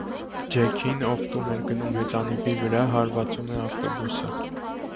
Ջեքին, ով տուն էր գնում հեծանիվի վրա, հարվածում է ավտոբուսը։